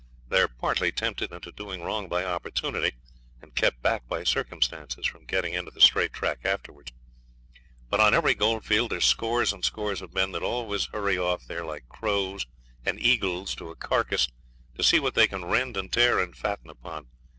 They're partly tempted into doing wrong by opportunity, and kept back by circumstances from getting into the straight track afterwards. But on every goldfield there's scores and scores of men that always hurry off there like crows and eagles to a carcass to see what they can rend and tear and fatten upon.